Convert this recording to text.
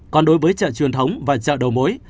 còn đối với chợ truyền thống và chợ đầu mối